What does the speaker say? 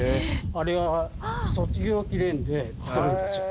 あれは卒業記念で作るんですよ。